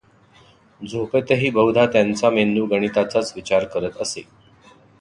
झोपेतही बहुधा त्यांचा मेंदू गणिताचाच विचार करत असे.